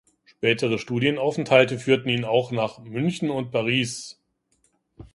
Spätere Studienaufenthalte führten ihn auch nach München und Paris.